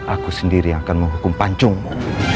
aku sendiri yang akan menghukum pancungmu